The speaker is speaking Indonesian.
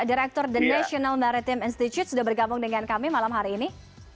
direktur the national maritim institute sudah bergabung dengan kami malam hari ini